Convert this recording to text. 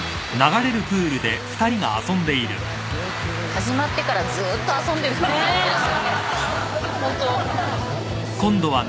始まってからずーっと遊んでる風景見てますよね。